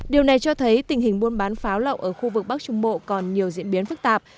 điều này cho thấy tình hình buôn bán pháo lậu ở khu vực bắc trung bộ còn nhiều diễn biến phức tạp